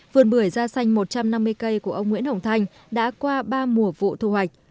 vườn bưởi da xanh một trăm năm mươi cây của ông nguyễn hồng thanh đã qua ba mùa vụ thu hoạch